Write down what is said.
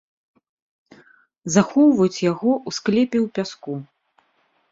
Захоўваюць яго ў склепе ў пяску.